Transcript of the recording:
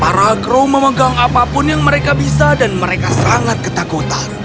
para kru memegang apapun yang mereka bisa dan mereka sangat ketakutan